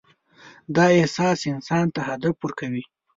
دا احساس انسان ته هدف ورکوي.